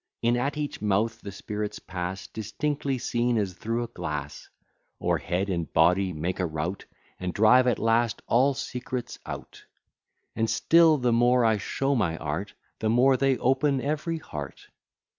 In at each mouth the spirits pass, Distinctly seen as through a glass: O'er head and body make a rout, And drive at last all secrets out; And still, the more I show my art, The more they open every heart.